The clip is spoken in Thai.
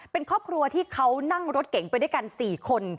เป็นครอบครัวที่เขานั่งรถเก๋งไปด้วยกัน๔คน